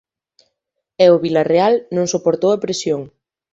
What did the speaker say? E o Vilarreal non soportou a presión.